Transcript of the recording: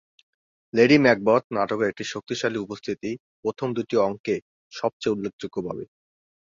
Lady Macbeth নাটকের একটি শক্তিশালী উপস্থিতি, প্রথম দুটি অঙ্কে সবচেয়ে উল্লেখযোগ্যভাবে।